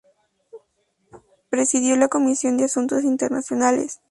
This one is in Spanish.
Presidió la Comisión de Asuntos Internacionales.